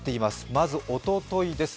まずおとといです。